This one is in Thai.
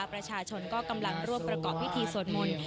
ประชาชนก็กำลังร่วมประกอบพิธีสวดมนต์